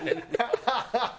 ハハハハ！